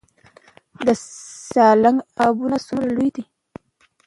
د سالنګ عقابونه څومره لوی دي؟